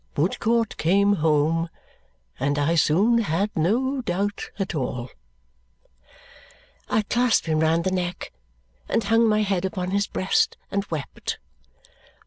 Woodcourt came home, and I soon had no doubt at all." I clasped him round the neck and hung my head upon his breast and wept.